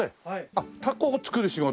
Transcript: あっ凧を作る仕事？